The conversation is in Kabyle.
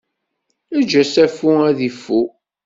Eǧǧ asafu ad d-ifu!